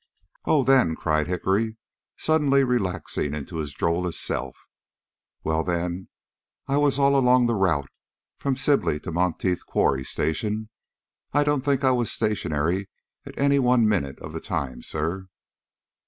"Oh, then," cried Hickory, suddenly relaxing into his drollest self. "Well, then, I was all along the route from Sibley to Monteith Quarry Station. I don't think I was stationary at any one minute of the time, sir."